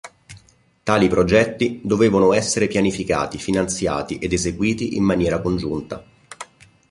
Tali progetti dovevano essere pianificati, finanziati ed eseguiti in maniera congiunta.